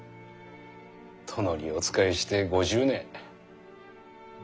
殿にお仕えして５０年。